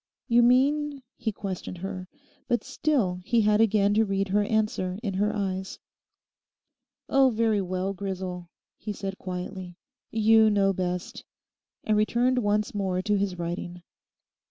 'You mean?' he questioned her; but still he had again to read her answer in her eyes. 'Oh, very well, Grisel,' he said quietly, 'you know best,' and returned once more to his writing.